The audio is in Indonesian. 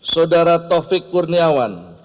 saudara taufik kurniawan